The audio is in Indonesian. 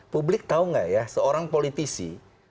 publik tahu nggak ya seorang politisi